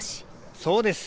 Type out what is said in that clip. そうです。